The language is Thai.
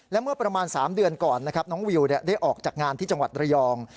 และเมื่อประมาณ๓เดือนก่อนนะครับน้องวิวได้ออกจากงานที่จังหวัดระยอง